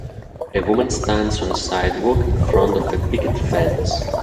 A woman stands on a sidewalk in front of a picket fence.